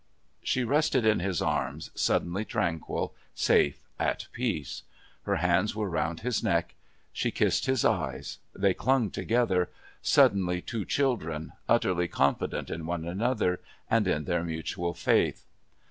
She rested in his arms, suddenly tranquil, safe, at peace. Her hands were round his neck. She kissed his eyes. They clung together, suddenly two children, utterly confident in one another and in their mutual faith.